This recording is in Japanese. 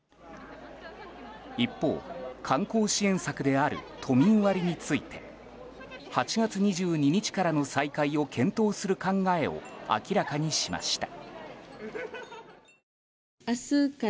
一方、観光支援策である都民割について８月２２日からの再開を検討する考えを明らかにしました。